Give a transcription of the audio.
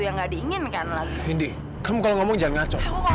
kamilah kamu udah selesai